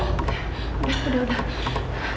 udah udah udah